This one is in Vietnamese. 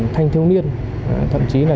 thanh thiếu niên thậm chí là